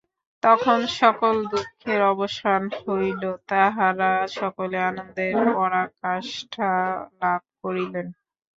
তখন সকল দুঃখের অবসান হইল, তাঁহারা সকলে আনন্দের পরাকাষ্ঠা লাভ করিলেন।